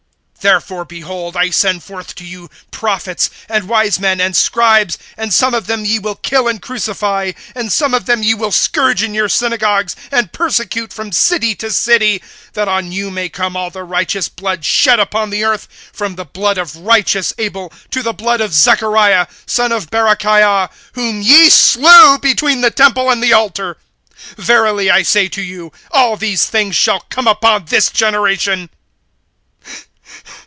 (34)Therefore, behold, I send forth to you prophets, and wise men, and scribes; and some of them ye will kill and crucify, and some of them ye will scourge in your synagogues, and persecute from city to city; (35)that on you may come all the righteous blood shed upon the earth, from the blood of righteous Abel to the blood of Zechariah, son of Barachiah, whom ye slew between the temple and the altar. (36)Verily I say to you, all these things shall come upon this generation.